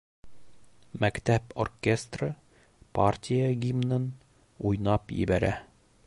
Мәктәп оркестры партия гимнын уйнап ебәрә.